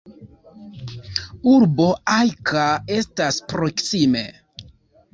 Urbo Ajka estas proksime.